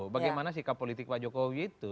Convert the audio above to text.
bagaimana sikap politik pak jokowi itu